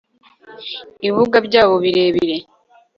ibibuga byabo birebire